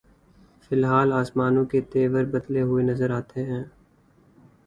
فی الحال آسمانوں کے تیور بدلے ہوئے نظر آتے ہیں۔